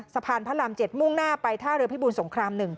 สะพานพระราม๗มุ่งหน้าไปท่าเรือพิบูรสงคราม๑